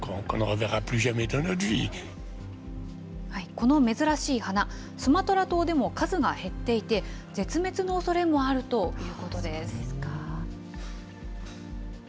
この珍しい花、スマトラ島でも数が減っていて、絶滅のおそれもあるということです。